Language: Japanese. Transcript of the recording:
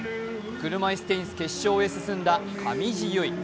車いすテニス決勝へ進んだ上地結衣。